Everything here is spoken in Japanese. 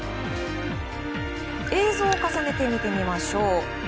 映像を重ねて見てみましょう。